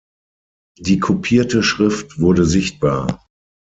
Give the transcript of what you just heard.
Die kopierte Schrift wurde sichtbar.